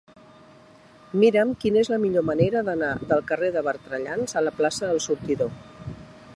Mira'm quina és la millor manera d'anar del carrer de Bertrellans a la plaça del Sortidor.